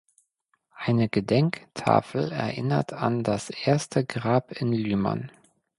Eine Gedenktafel erinnert an das erste Grab in Lyman.